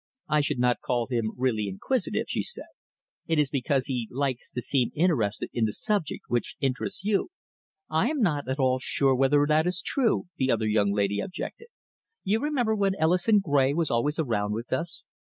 "I should not call him really inquisitive," she said. "It is because he likes to seem interested in the subject which interests you." "I am not at all sure whether that is true," the other young lady objected. "You remember when Ellison Gray was always around with us?